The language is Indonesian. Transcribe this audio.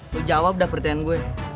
gue jawab dah pertanyaan gue